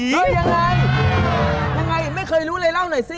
ยังไงไม่เคยรู้อะไร